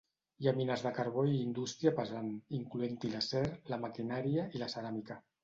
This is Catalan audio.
Hi ha mines de carbó i indústria pesant, incloent-hi l'acer, la maquinària i la ceràmica.